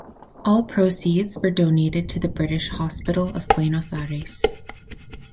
All proceeds were donated to the British Hospital of Buenos Aires.